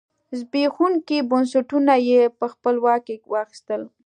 زبېښونکي بنسټونه یې په خپل واک کې واخیستل.